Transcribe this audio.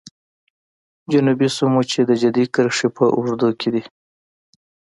جنوبي سیمو چې د جدي کرښې په اوږدو کې دي.